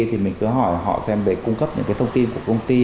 thì mình cứ hỏi họ xem về cung cấp những cái thông tin của công ty